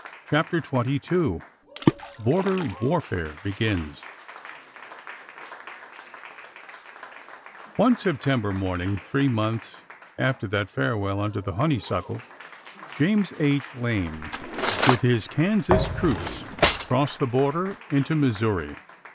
CHAPTER XXII BORDER WARFARE BEGINS O NE September morning, three months after that farewell under the honeysuckle, James H. Lane, with his Kansas troops, crossed the border into Missouri.